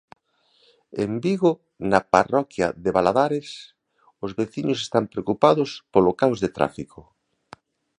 En Vigo, na parroquia de Valadares, os veciños están preocupados polo caos de tráfico.